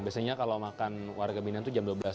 biasanya kalau makan warga binaan itu jam dua belas